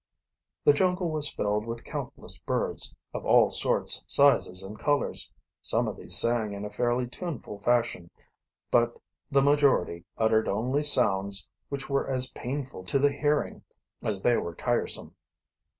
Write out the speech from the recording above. The jungle was filled with countless birds, of all sorts, sizes, and colors. Some of these sang in a fairly tuneful fashion, but the majority uttered only sounds which were as painful to the hearing as they were tiresome.